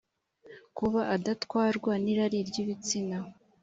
kuba adatwarwa n’irari ry’ibitsina